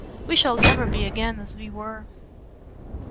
"We shall never be again as we were!"